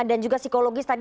dan juga psikologis tadi